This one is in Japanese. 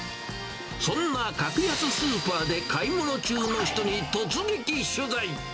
そんな格安スーパーで買い物中の人に突撃取材。